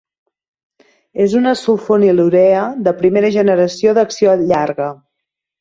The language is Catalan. És una sulfonilurea de primera generació d'acció llarga.